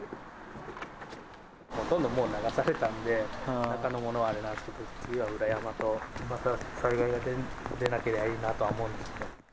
ほとんどもう流されたんで、中のものはあれなんですけど、次は裏山と、また災害が出なけりゃいいなとは思うんですけど。